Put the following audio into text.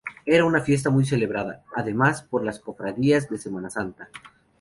Era una fiesta muy celebrada, además, por las cofradías de Semana Santa.